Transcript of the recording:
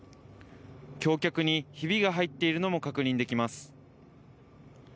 橋脚にひびが入っているのも確認できます。